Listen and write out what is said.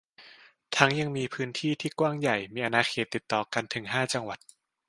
ทั้งยังมีพื้นที่ที่กว้างใหญ่มีอาณาเขตติดต่อกันถึงห้าจังหวัด